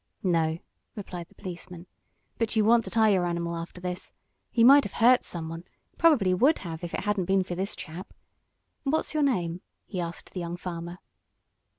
"No," replied the policeman, "but you want to tie your animal after this. He might have hurt someone probably would have if it hadn't been for this chap. What's your name?" he asked the young farmer.